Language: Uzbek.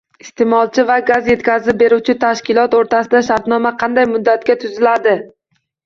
Isteʼmolchi va gaz yetkazib beruvchi tashkilot o‘rtasida shartnoma qanday muddatga tuziladi?